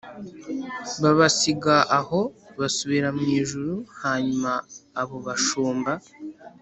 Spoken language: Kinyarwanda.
Babasiga aho basubira mu ijuru hanyuma abo bashumba